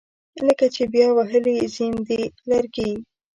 لکه چې بیا وهلي زیم دي لرګي